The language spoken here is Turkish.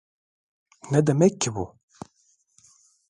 Ne demek ki bu?